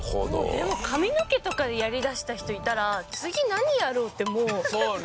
でも髪の毛とかでやり出した人いたら「次何やろう？」ってもうなりますよね？